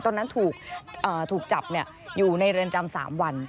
ตอนนั้นถูกจับอยู่ในเรือนจำ๓วัน